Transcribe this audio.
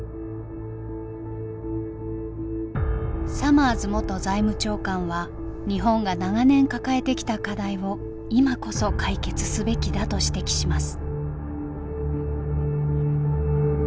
サマーズ元財務長官は日本が長年抱えてきた課題を今こそ解決すべきだと指摘します。